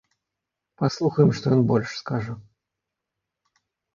Паслухаем, што ён больш скажа.